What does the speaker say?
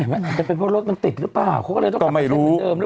เอ๊ะมันอาจจะเป็นเพราะรถมันติดหรือเปล่าเขาก็เลยต้องกลับไปเต็มเต็มเดิมหรือเปล่า